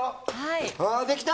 できた！